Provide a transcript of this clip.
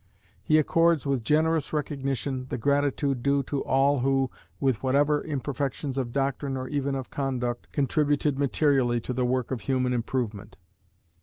He accords with generous recognition the gratitude due to all who, with whatever imperfections of doctrine or even of conduct, contributed materially to the work of human improvement.